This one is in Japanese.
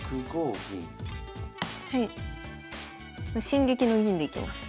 進撃の銀でいきます。